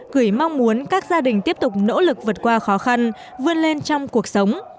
gửi mong muốn các gia đình tiếp tục nỗ lực vượt qua khó khăn vươn lên trong cuộc sống